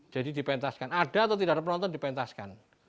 jadi dipentaskan ada atau tidak ada penonton dipentaskan